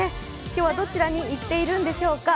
今日はどちらに行っているんでしょうか。